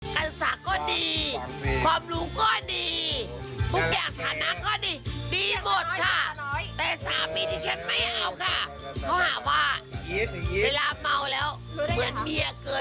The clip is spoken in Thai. กรรษาก็ดีความรู้ก็ดีทุกอย่างฐานังก็ดี